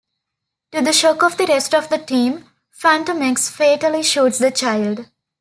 To the shock of the rest of the team, Fantomex fatally shoots the child.